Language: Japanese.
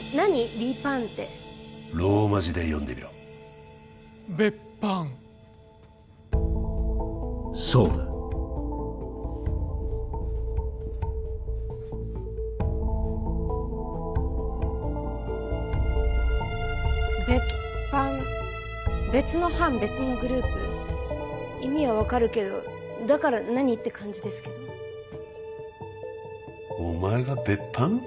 ヴィパァンってローマ字で読んでみろベッパンそうだ別班別の班別のグループ意味は分かるけどだから何？って感じですけどお前が別班？